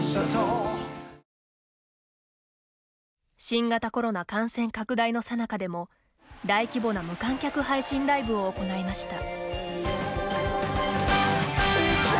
新型コロナ感染拡大のさなかでも大規模な無観客配信ライブを行いました。